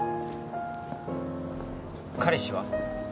彼氏は？